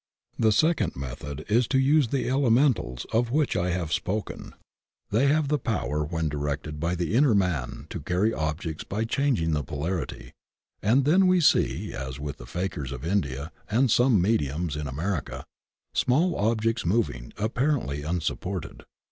The second method is to use the elementals of which I have spoken. They have the power when directed by the inner man to carry objects by changing the polarity, and then we see, as with the fakirs of India and some mediums in America, small objects moving apparently unsup ported.